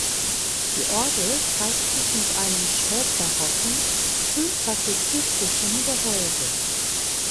Die Orgel zeigt sich mit einem spätbarocken frühklassizistischen Gehäuse.